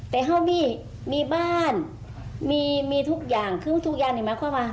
แต่เห้ามีมีบ้านมีทุกอย่างคือทุกอย่างเนี่ยมาเข้ามา